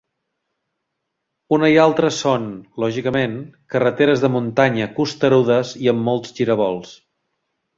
Una i altra són, lògicament, carreteres de muntanya costerudes i amb molts giravolts.